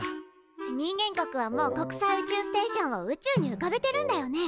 人間国はもう国際宇宙ステーションを宇宙にうかべてるんだよね。